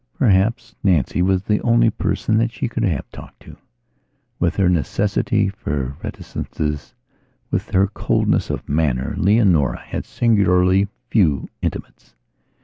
Perhaps Nancy was the only person that she could have talked to. With her necessity for reticences, with her coldness of manner, Leonora had singularly few intimates.